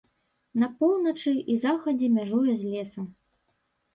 На поўначы і захадзе мяжуе з лесам.